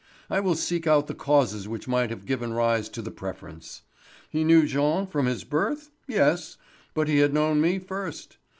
I will seek out the causes which might have given rise to the preference. He knew Jean from his birth? Yes, but he had known me first.